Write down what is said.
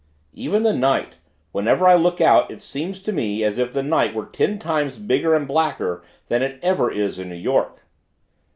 "Even the night whenever I look out, it seems to me as if the night were ten times bigger and blacker than it ever is in New York!"